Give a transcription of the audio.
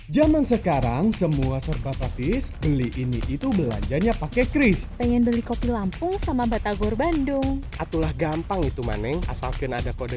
jangan lupa subscribe like komen dan share